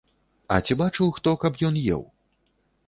А ці бачыў хто, каб ён еў?